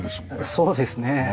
そうですね。